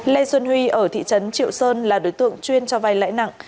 lê xuân huy ở thị trấn triệu sơn là đối tượng chuyên cho vay lãi nặng